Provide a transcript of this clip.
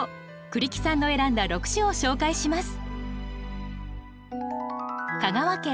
栗木さんの選んだ６首を紹介します。